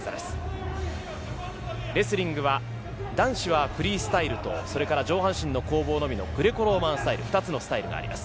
レスリングは男子はフリースタイルと上半身の攻防のみのグレコローマンスタイル、２つのスタイルがあります。